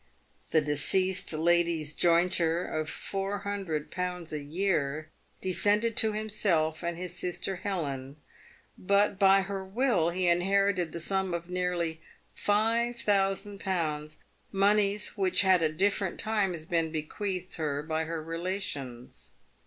The deceased lady's jointure of 400Z. a year de scended to himself and his sister Helen, but by her will he inherited the sum of nearly 5000Z., moneys which had at different times been bequeathed her by her relations.